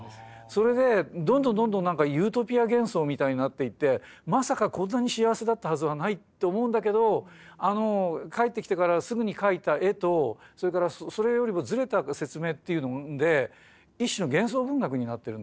それでどんどんどんどん何かユートピア幻想みたいになっていってまさかこんなに幸せだったはずはないって思うんだけど帰ってきてからすぐに描いた絵とそれからそれよりもずれた説明っていうので一種の幻想文学になってるんですよね。